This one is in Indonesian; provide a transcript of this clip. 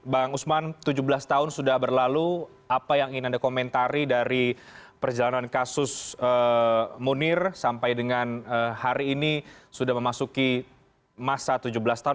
bang usman tujuh belas tahun sudah berlalu apa yang ingin anda komentari dari perjalanan kasus munir sampai dengan hari ini sudah memasuki masa tujuh belas tahun